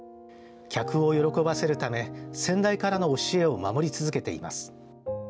客を喜ばせるため先代からの教えを守り続けています。